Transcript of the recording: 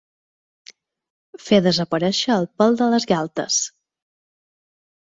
Fer desaparèixer el pèl de les galtes.